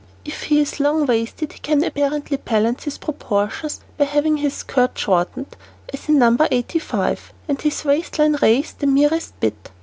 If he is long waisted he can apparently balance his proportions by having his skirt shortened, as in No. 85, and his waist line raised the merest bit.